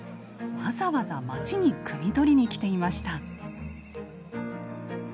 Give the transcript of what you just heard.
わざわざ町にくみ取りに来ていました。